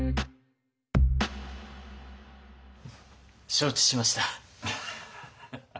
承知しました。